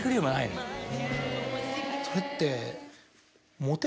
それって。